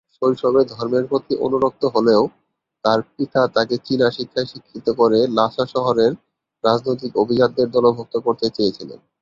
শৈশবে ধর্মের প্রতি অনুরক্ত হলেও তার পিতা তাকে চীনা শিক্ষায় শিক্ষিত করে লাসা শহরের রাজনৈতিক অভিজাতদের দলভুক্ত করতে চেয়েছিলেন।